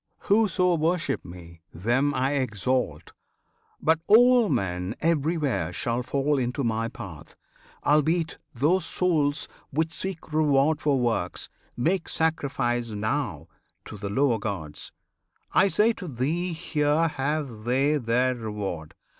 Whoso worship me, Them I exalt; but all men everywhere Shall fall into my path; albeit, those souls Which seek reward for works, make sacrifice Now, to the lower gods. I say to thee Here have they their reward.